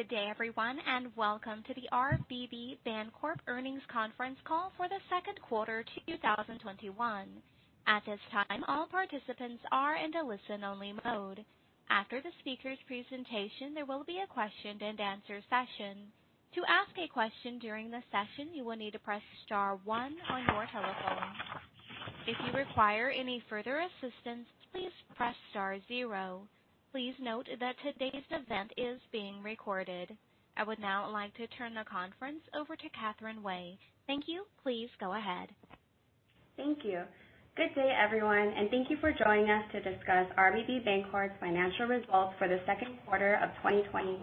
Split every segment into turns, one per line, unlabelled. Good day, everyone, and welcome to the RBB Bancorp earnings conference call for the second quarter 2021. At this time, all participants are in a listen-only mode. After the speaker's presentation, there will be a question and answer session. To ask a question during the session, you will need to press star one on your telephone. If you require any further assistance, please press star zero. Please note that today's event is being recorded. I would now like to turn the conference over to Catherine Wei. Thank you. Please go ahead.
Thank you. Good day, everyone, and thank you for joining us to discuss RBB Bancorp's financial results for the second quarter of 2021.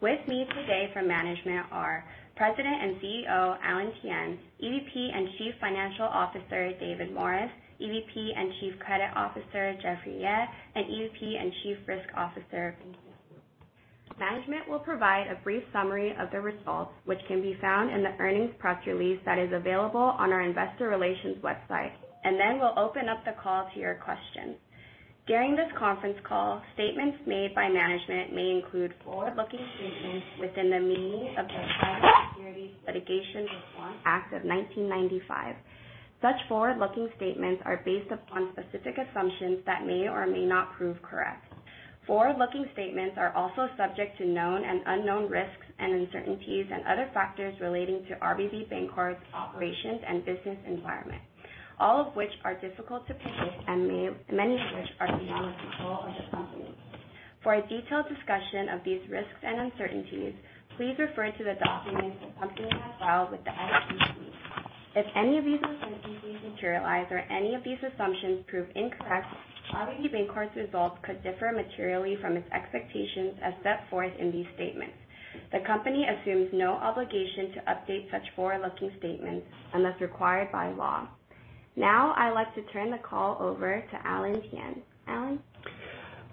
With me today from management are President and CEO, Alan Thian, EVP and Chief Financial Officer, David Morris, EVP and Chief Credit Officer, Jeffrey Yeh, and EVP and Chief Risk Officer. Management will provide a brief summary of the results, which can be found in the earnings press release that is available on our investor relations website. Then we'll open up the call to your questions. During this conference call, statements made by management may include forward-looking statements within the meaning of the Private Securities Litigation Reform Act of 1995. Such forward-looking statements are based upon specific assumptions that may or may not prove correct. Forward-looking statements are also subject to known and unknown risks and uncertainties and other factors relating to RBB Bancorp's operations and business environment, all of which are difficult to predict, and many of which are beyond the control of the company. For a detailed discussion of these risks and uncertainties, please refer to the documents the company has filed with the SEC. If any of these risks materialize or any of these assumptions prove incorrect, RBB Bancorp's results could differ materially from its expectations as set forth in these statements. The company assumes no obligation to update such forward-looking statements unless required by law. Now I'd like to turn the call over to Alan Thian. Alan?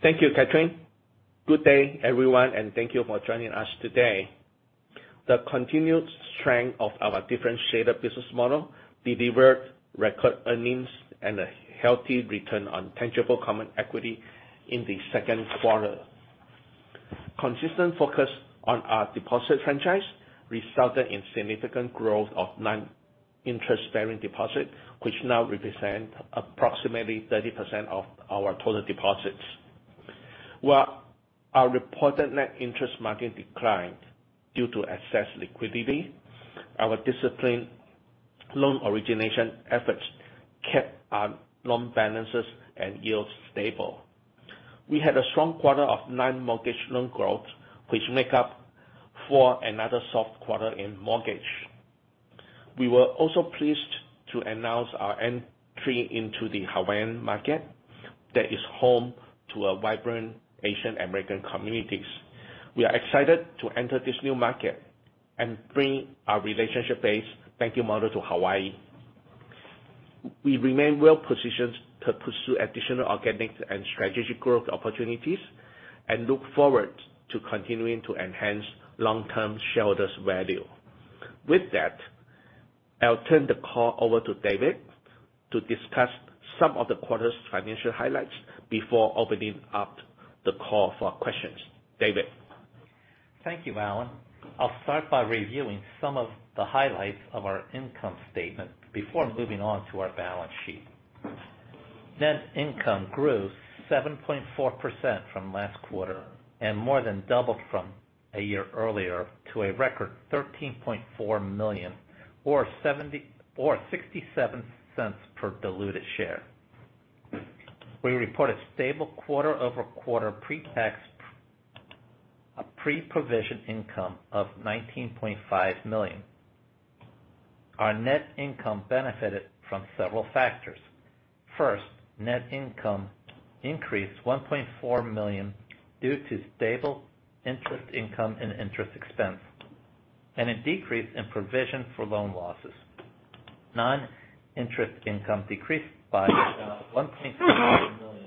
Thank you, Catherine. Good day, everyone, and thank you for joining us today. The continued strength of our differentiated business model delivered record earnings and a healthy return on tangible common equity in the second quarter. Consistent focus on our deposit franchise resulted in significant growth of non-interest-bearing deposits, which now represent approximately 30% of our total deposits. While our reported net interest margin declined due to excess liquidity, our disciplined loan origination efforts kept our loan balances and yields stable. We had a strong quarter of non-QM mortgage loan growth, which make up for another soft quarter in mortgage. We were also pleased to announce our entry into the Hawaiian market that is home to vibrant Asian American communities. We are excited to enter this new market and bring our relationship-based banking model to Hawaii. We remain well positioned to pursue additional organic and strategic growth opportunities and look forward to continuing to enhance long-term shareholders' value. With that, I'll turn the call over to David to discuss some of the quarter's financial highlights before opening up the call for questions. David.
Thank you, Alan. I'll start by reviewing some of the highlights of our income statement before moving on to our balance sheet. Net income grew 7.4% from last quarter and more than doubled from a year-earlier to a record $13.4 million or $0.67 per diluted share. We report a stable quarter-over-quarter pretax pre-provision income of $19.5 million. Our net income benefited from several factors. First, net income increased $1.4 million due to stable interest income and interest expense, and a decrease in provision for loan losses. Non-interest income decreased by $1.2 million,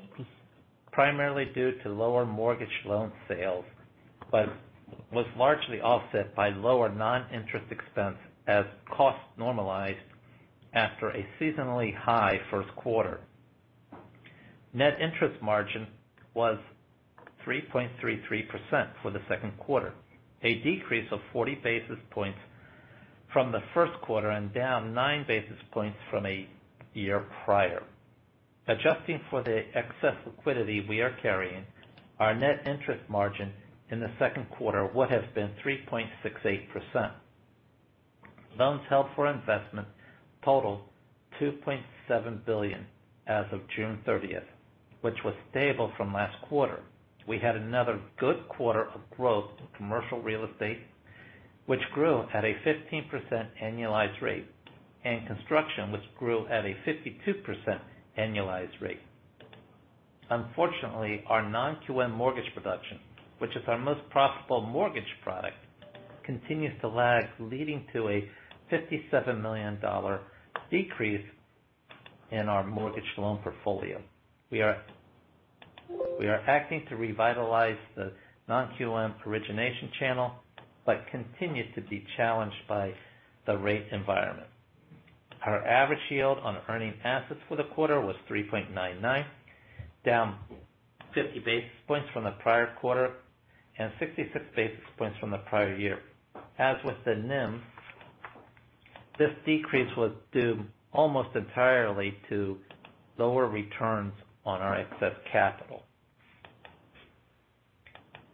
primarily due to lower mortgage loan sales, but was largely offset by lower non-interest expense as costs normalized after a seasonally high first quarter. Net interest margin was 3.33% for the second quarter, a decrease of 40 basis points from the first quarter and down 9 basis points from a year prior. Adjusting for the excess liquidity we are carrying, our net interest margin in the second quarter would have been 3.68%. Loans held for investment totaled $2.7 billion as of June 30th, which was stable from last quarter. We had another good quarter of growth in commercial real estate, which grew at a 15% annualized rate, and construction, which grew at a 52% annualized rate. Unfortunately, our non-QM mortgage production, which is our most profitable mortgage product, continues to lag, leading to a $57 million decrease in our mortgage loan portfolio. We are acting to revitalize the non-QM origination channel but continue to be challenged by the rate environment. Our average yield on earning assets for the quarter was 3.99%, down 50 basis points from the prior quarter and 66 basis points from the prior year. As with the NIM, this decrease was due almost entirely to lower returns on our excess capital.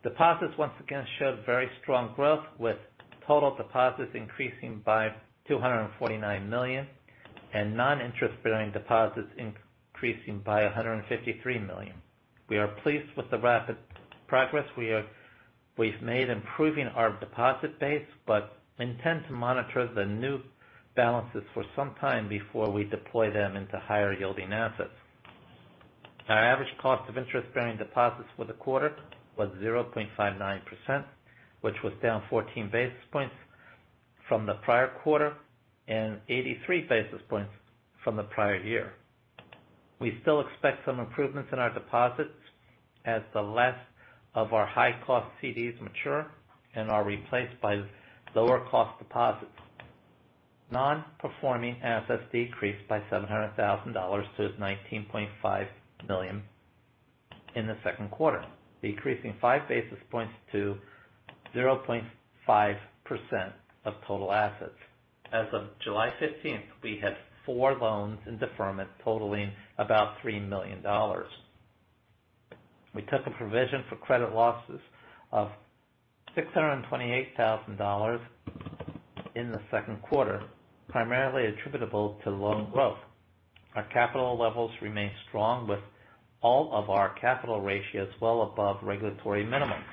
Deposits once again showed very strong growth, with total deposits increasing by $249 million and non-interest-bearing deposits increasing by $153 million. We are pleased with the rapid progress we've made improving our deposit base, but intend to monitor the new balances for some time before we deploy them into higher yielding assets. Our average cost of interest-bearing deposits for the quarter was 0.59%, which was down 14 basis points from the prior quarter and 83 basis points from the prior year. We still expect some improvements in our deposits as the last of our high-cost CDs mature and are replaced by lower cost deposits. Non-performing assets decreased by $700,000 to $19.5 million in the second quarter, decreasing 5 basis points to 0.5% of total assets. As of July 15th, we had 4 loans in deferment totaling about $3 million. We took a provision for credit losses of $628,000 in the second quarter, primarily attributable to loan growth. Our capital levels remain strong, with all of our capital ratios well above regulatory minimums.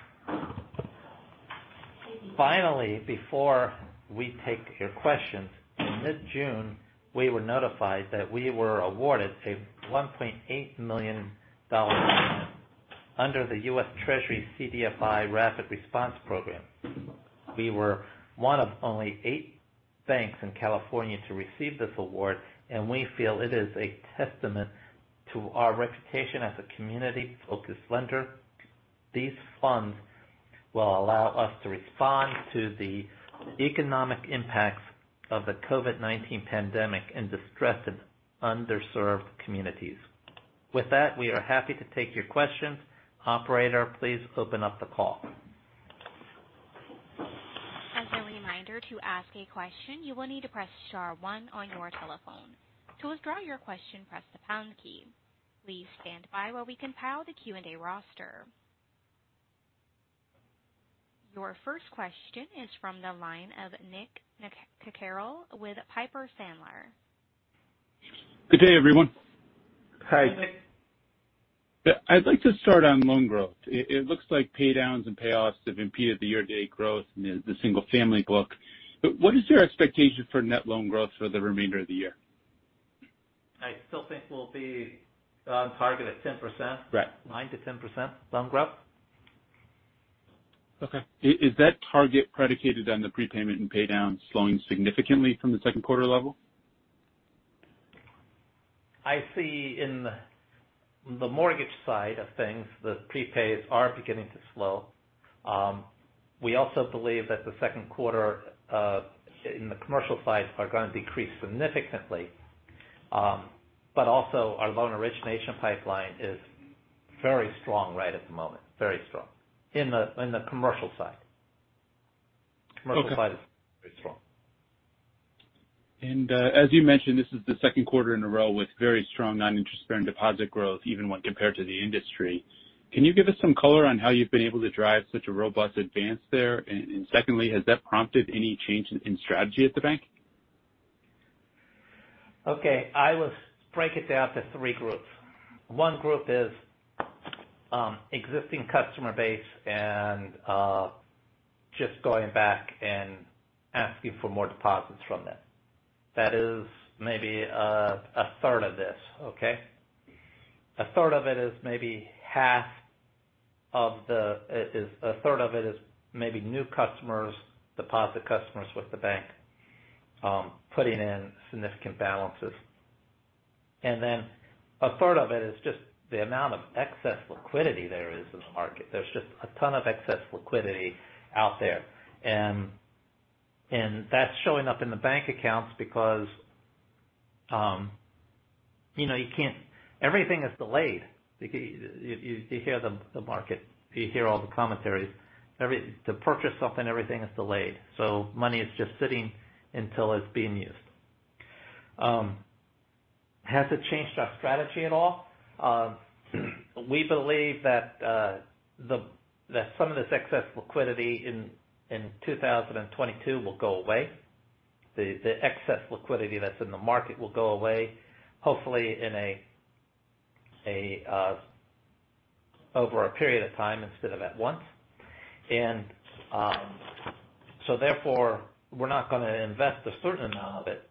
Before we take your questions, in mid-June, we were notified that we were awarded a $1.8 million grant under the U.S. Treasury CDFI Rapid Response Program. We were one of only eight banks in California to receive this award, and we feel it is a testament to our reputation as a community-focused lender. These funds will allow us to respond to the economic impacts of the COVID-19 pandemic in distressed and underserved communities. With that, we are happy to take your questions. Operator, please open up the call.
Your first question is from the line of Nick Cucharale with Piper Sandler.
Good day, everyone.
Hi.
I'd like to start on loan growth. It looks like pay-downs and payoffs have impeded the year-to-date growth in the single family book. What is your expectation for net loan growth for the remainder of the year?
I still think we'll be on target at 10%.
Right.
9%-10% loan growth.
Okay. Is that target predicated on the prepayment and pay-down slowing significantly from the second quarter level?
I see in the mortgage side of things, the prepays are beginning to slow. We also believe that the second quarter in the commercial side are going to decrease significantly. Also our loan origination pipeline is very strong right at the moment. Very strong in the commercial side.
Okay.
Commercial side is very strong.
As you mentioned, this is the second quarter in a row with very strong non-interest bearing deposit growth, even when compared to the industry. Can you give us some color on how you've been able to drive such a robust advance there? Secondly, has that prompted any change in strategy at the bank?
Okay. I will break it down to three groups. One group is existing customer base and just going back and asking for more deposits from them. That is maybe a third of this. Okay? A third of it is maybe new customers, deposit customers with the bank, putting in significant balances. Then a third of it is just the amount of excess liquidity there is in the market. There's just a ton of excess liquidity out there, and that's showing up in the bank accounts because everything is delayed. You hear the market. You hear all the commentaries. To purchase something, everything is delayed. Money is just sitting until it's being used. Has it changed our strategy at all? We believe that some of this excess liquidity in 2022 will go away. The excess liquidity that's in the market will go away, hopefully over a period of time instead of at once. Therefore, we're not going to invest a certain amount of it.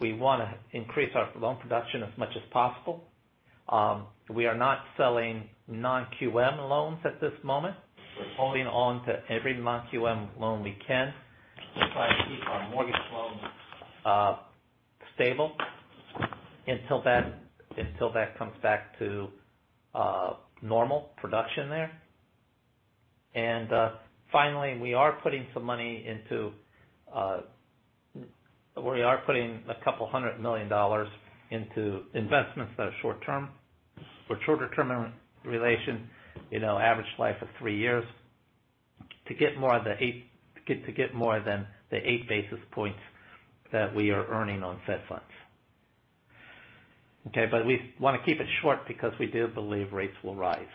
We want to increase our loan production as much as possible. We are not selling non-QM loans at this moment. We're holding on to every non-QM loan we can. We're trying to keep our mortgage loans stable until that comes back to normal production there. Finally, we are putting a couple hundred million dollars into investments that are short-term, with shorter-term duration, average life of three years, to get more than the eight basis points that we are earning on Fed funds. Okay. We want to keep it short because we do believe rates will rise.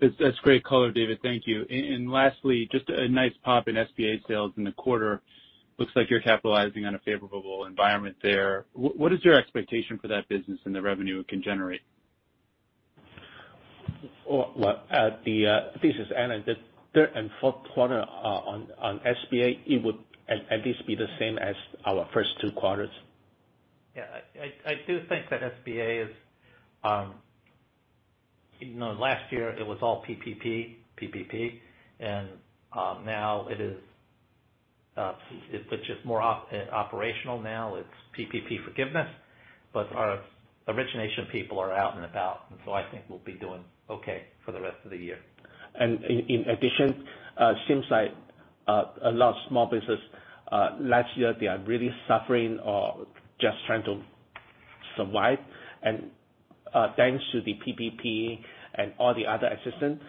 That's great color, David. Thank you. Lastly, just a nice pop in SBA sales in the quarter. Looks like you're capitalizing on a favorable environment there. What is your expectation for that business and the revenue it can generate?
Well, this is Alan. The third and fourth quarter on SBA, it would at least be the same as our first two quarters.
Yeah. I do think that SBA is Last year it was all PPP, and now it is more operational. Now it's PPP forgiveness, but our origination people are out and about, and so I think we'll be doing okay for the rest of the year.
In addition, seems like a lot of small business last year, they are really suffering or just trying to survive. Thanks to the PPP and all the other assistance,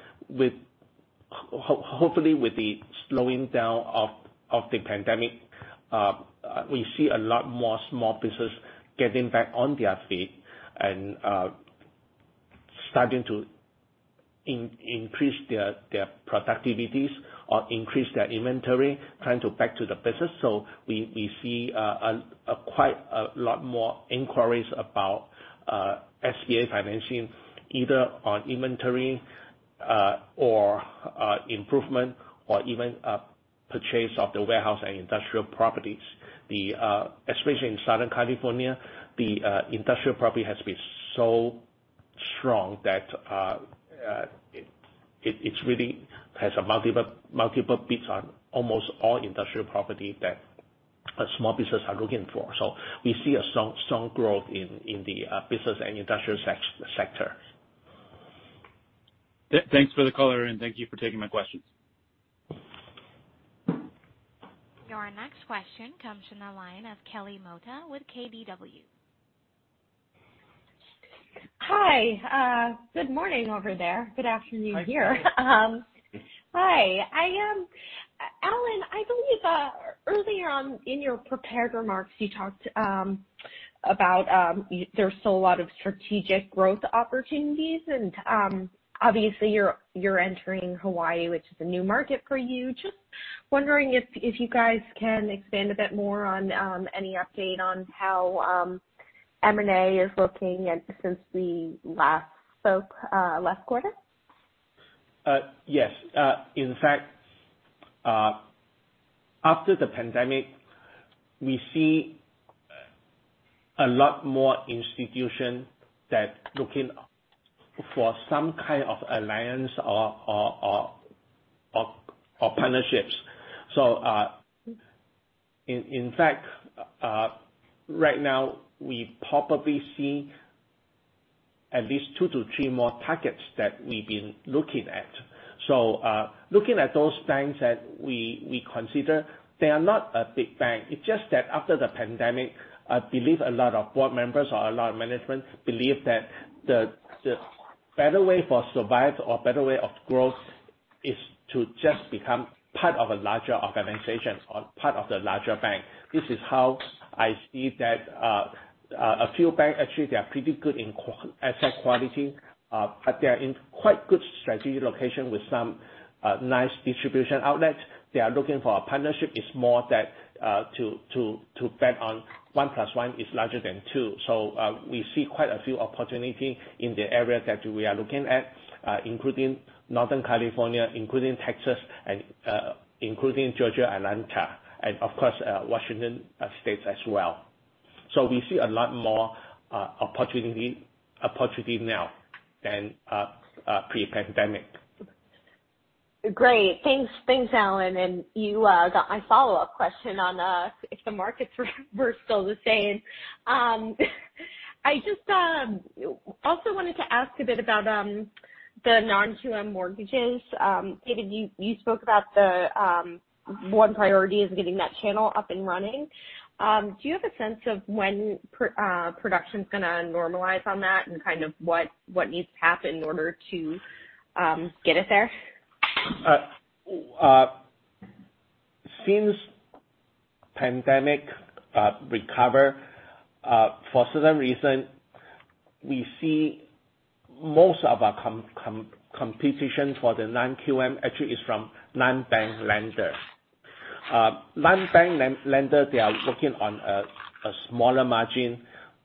hopefully with the slowing down of the pandemic, we see a lot more small business getting back on their feet and starting to increase their productivities or increase their inventory, trying to back to the business. We see quite a lot more inquiries about SBA financing, either on inventory, or improvement, or even purchase of the warehouse and industrial properties. Especially in Southern California, the industrial property has been so strong that it really has multiple bids on almost all industrial property that small businesses are looking for. We see a strong growth in the business and industrial sector.
Thanks for the color, and thank you for taking my questions.
Your next question comes from the line of Kelly Motta with KBW.
Hi. Good morning over there. Good afternoon here.
Hi, Kelly.
Hi. Alan, I believe, earlier on in your prepared remarks, you talked about there's still a lot of strategic growth opportunities and, obviously you're entering Hawaii, which is a new market for you. Just wondering if you guys can expand a bit more on any update on how M&A is looking and since we last spoke, last quarter.
Yes. In fact, after the pandemic, we see a lot more institutions that looking for some kind of alliance or partnerships. In fact, right now we probably see at least two-three more targets that we've been looking at. Looking at those banks that we consider, they are not a big bank. It's just that after the pandemic, I believe a lot of board members or a lot of management believe that the better way for survival or better way of growth is to just become part of a larger organization or part of the larger bank. This is how I see that a few banks, actually, they are pretty good in asset quality, but they're in quite good strategic locations with some nice distribution outlets. They are looking for a partnership. It's more that to bet on one plus one is larger than two. We see quite a few opportunity in the area that we are looking at, including Northern California, including Texas, and including Georgia, Atlanta. Of course, Washington State as well. We see a lot more opportunity now than pre-pandemic.
Great. Thanks, Alan. You got my follow-up question on if the markets were still the same. I just also wanted to ask a bit about the non-QM mortgages. David, you spoke about the one priority is getting that channel up and running. Do you have a sense of when production's going to normalize on that, and kind of what needs to happen in order to get it there?
Since pandemic recover, for certain reason, we see most of our competition for the non-QM actually is from non-bank lender. Non-bank lender, they are working on a smaller margin.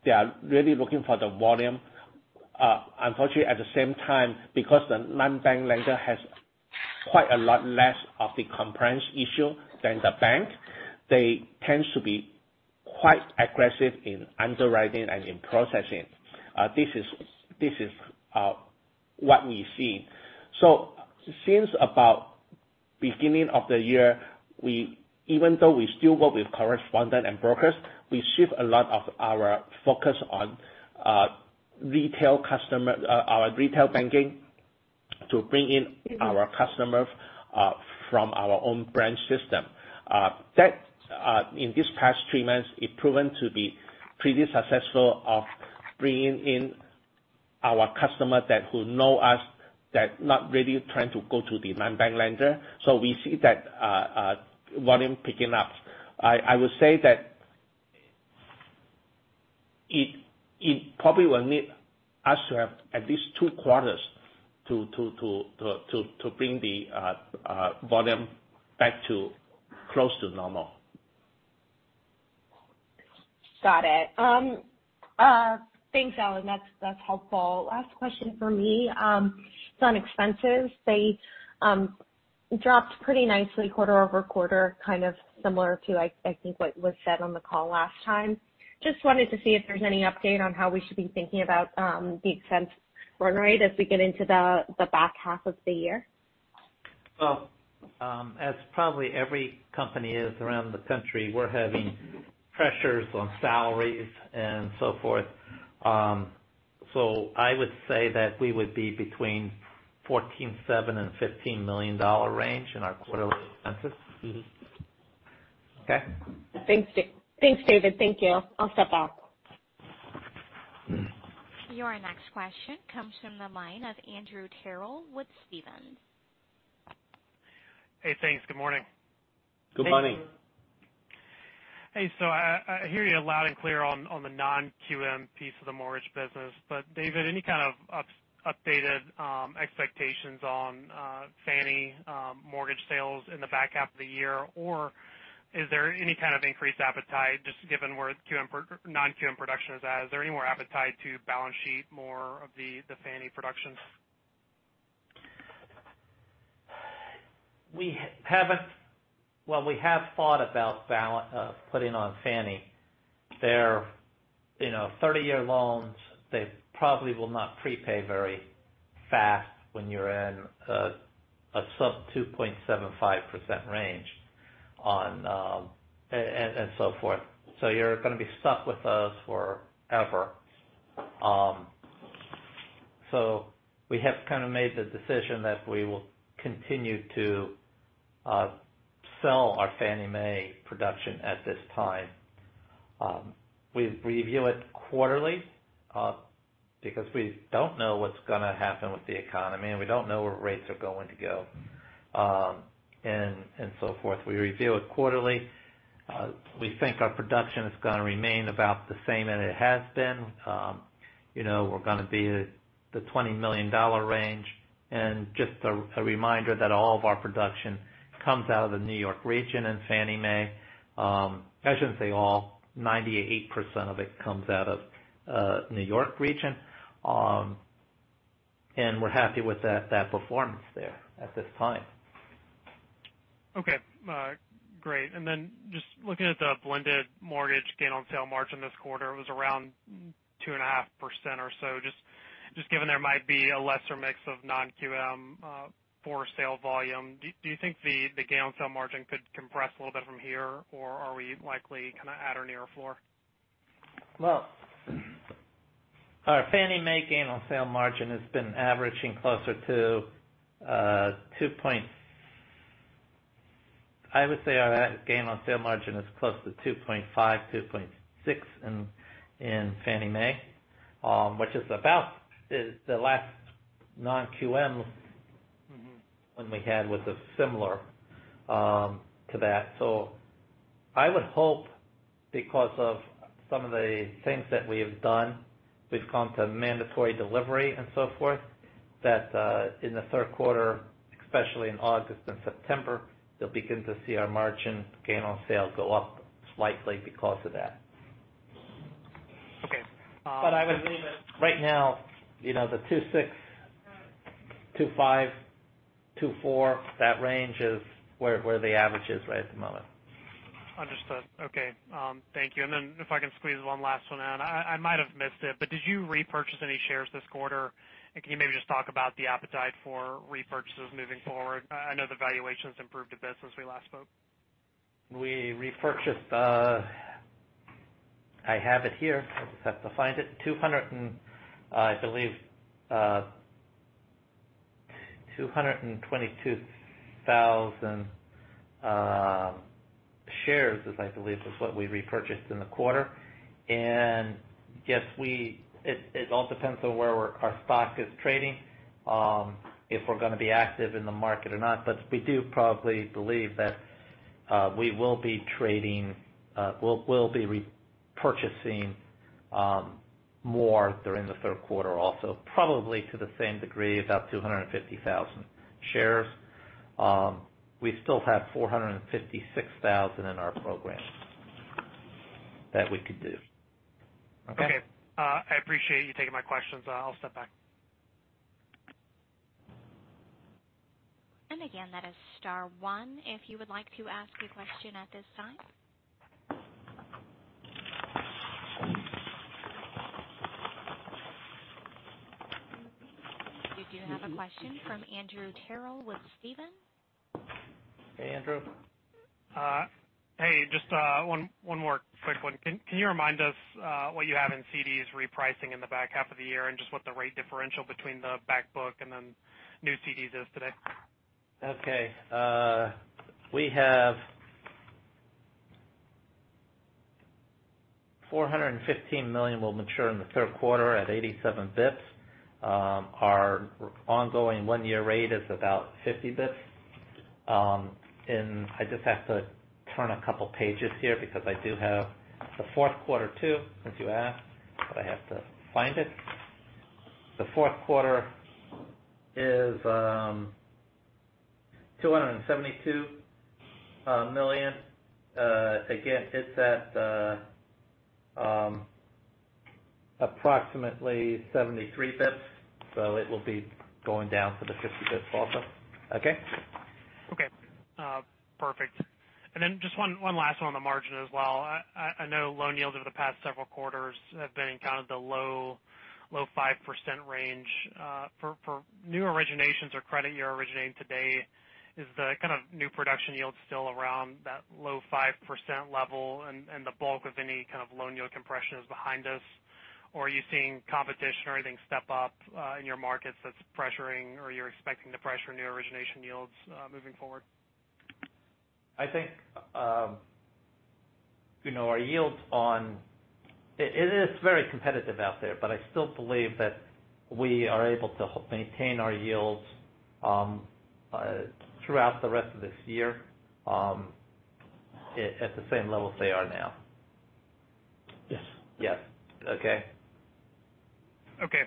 They are really looking for the volume. Unfortunately, at the same time, because the non-bank lender has quite a lot less of the compliance issue than the bank, they tend to be quite aggressive in underwriting and in processing. This is what we see. Since about beginning of the year, even though we still work with correspondent and brokers, we shift a lot of our focus on our retail banking to bring in our customers from our own branch system. That, in these past 3 months, it proven to be pretty successful of bringing in our customers that will know us, that not really trying to go to the non-bank lender. We see that volume picking up. I would say that it probably will need us to have at least two quarters to bring the volume back to close to normal.
Got it. Thanks, Alan. That's helpful. Last question for me. It's on expenses. They dropped pretty nicely quarter-over-quarter, kind of similar to, I think, what was said on the call last time. Just wanted to see if there's any update on how we should be thinking about the expense run rate as we get into the back half of the year.
Well, as probably every company is around the country, we're having pressures on salaries and so forth. I would say that we would be between $14.7 million and $15 million range in our quarterly expenses. Okay.
Thanks, David. Thank you. I'll step back.
Your next question comes from the line of Andrew Terrell with Stephens.
Hey, thanks. Good morning.
Good morning.
Good morning.
Hey, I hear you loud and clear on the non-QM piece of the mortgage business. David, any kind of updated expectations on Fannie mortgage sales in the back half of the year? Is there any kind of increased appetite just given where non-QM production is at? Is there any more appetite to balance sheet more of the Fannie productions?
We have thought about putting on Fannie. They're 30-year loans. They probably will not prepay very fast when you're in a sub 2.75% range and so forth. You're going to be stuck with us forever. We have kind of made the decision that we will continue to sell our Fannie Mae production at this time. We review it quarterly, because we don't know what's going to happen with the economy, and we don't know where rates are going to go, and so forth. We review it quarterly. We think our production is going to remain about the same as it has been. We're going to be the $20 million range. Just a reminder that all of our production comes out of the New York region in Fannie Mae. I shouldn't say all. 98% of it comes out of New York region. We're happy with that performance there at this time.
Okay. Great. Just looking at the blended mortgage gain on sale margin this quarter, it was around 2.5% or so. Just given there might be a lesser mix of non-QM for sale volume, do you think the gain on sale margin could compress a little bit from here, or are we likely kind of at or near a floor?
Well, our Fannie Mae gain on sale margin has been averaging closer to, I would say our gain on sale margin is close to 2.5%, 2.6% in Fannie Mae, which is about the last non-QM. One we had was similar to that. I would hope because of some of the things that we have done, we've gone to mandatory delivery and so forth, that in the third quarter, especially in August and September, you'll begin to see our margin gain on sale go up slightly because of that.
Okay.
I would believe that right now, the 2.6%, 2.5%, 2.4%, that range is where the average is right at the moment.
Understood. Okay. Thank you. If I can squeeze one last one in. I might have missed it, but did you repurchase any shares this quarter? Can you maybe just talk about the appetite for repurchases moving forward? I know the valuation's improved a bit since we last spoke.
We repurchased, I have it here. I just have to find it. I believe 222,000 shares is what we repurchased in the quarter. It all depends on where our stock is trading, if we're going to be active in the market or not. We do probably believe that we'll be repurchasing more during the third quarter also, probably to the same degree, about 250,000 shares. We still have 456,000 in our program that we could do. Okay?
Okay. I appreciate you taking my questions. I'll step back.
Again, that is star one if you would like to ask a question at this time. We do have a question from Andrew Terrell with Stephens.
Hey, Andrew.
Hey, just one more quick one. Can you remind us what you have in CDs repricing in the back half of the year, and just what the rate differential between the back book and then new CDs is today?
Okay. We have $415 million will mature in the third quarter at 87 basis points. Our ongoing one-year rate is about 50 basis points. I just have to turn a couple pages here because I do have the fourth quarter too, since you asked, but I have to find it. The fourth quarter is $272 million. Again, it's at approximately 73 basis points, so it will be going down to the 50 basis points also. Okay?
Okay. Perfect. Then just one last one on the margin as well. I know loan yields over the past several quarters have been in kind of the low 5% range. For new originations or credit you're originating today, is the kind of new production yield still around that low 5% level and the bulk of any kind of loan yield compression is behind us? Are you seeing competition or anything step up in your markets that's pressuring or you're expecting to pressure new origination yields moving forward?
I think our yields. It is very competitive out there, but I still believe that we are able to maintain our yields throughout the rest of this year at the same levels they are now. Yes. Okay.
Okay.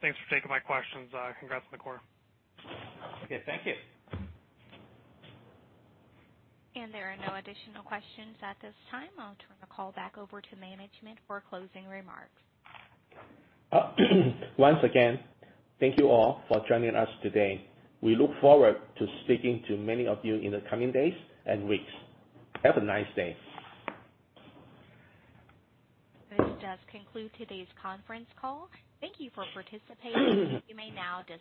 Thanks for taking my questions. Congrats on the quarter.
Okay, thank you.
There are no additional questions at this time. I'll turn the call back over to management for closing remarks.
Once again, thank you all for joining us today. We look forward to speaking to many of you in the coming days and weeks. Have a nice day.
This does conclude today's conference call. Thank you for participating. You may now disconnect.